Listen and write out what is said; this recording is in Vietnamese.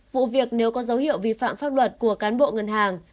vụ việc nếu có dấu hiệu vi phạm pháp luật của cán bộ ngân hàng